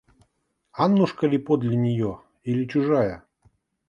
Аннушка ли подле нее или чужая?